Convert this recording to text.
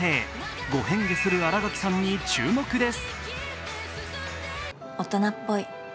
５変化する新垣さんに注目です。